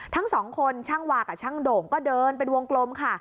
ทั้งสองคนช่างวากับช่างโด่งก็เดินเป็นวงกลมค่ะ